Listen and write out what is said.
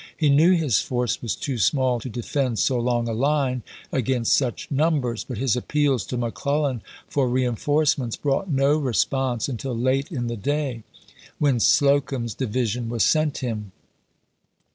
^ He knew his force was too small to defend so long a line against such numbers, but his appeals to McClellau for re enforcements brought no response until late in the day, when Slocum's division was sent him.